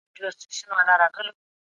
آیا ښه خلک د ميلمه پالنې لپاره مشهور دي؟